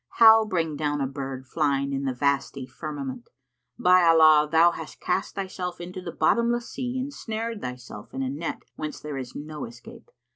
How bring down a bird flying in the vasty firmament? By Allah thou hast cast thyself into a bottomless sea and snared thyself in a net whence there is no escape!